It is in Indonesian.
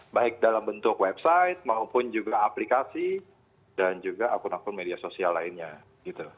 baik dalam bentuk website maupun juga aplikasi dan juga akun akun media sosial lainnya gitu